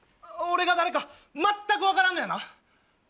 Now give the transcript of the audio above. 俺が誰か全く分からんのやな？